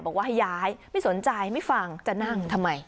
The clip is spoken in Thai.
บอกว่าให้ย้ายไม่สนใจไม่ฟังจะนั่งทำไม